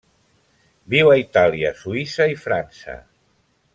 Viu a Itàlia, Suïssa i França.